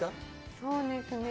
そうですね。